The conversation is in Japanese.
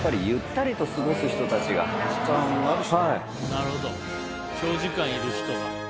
なるほど長時間いる人が。